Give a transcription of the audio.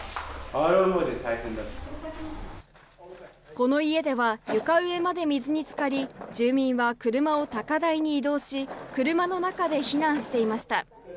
この家では床上まで水につかり住民は車を高台に移動し車の中で避難していました。